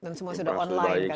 dan semua sudah online kan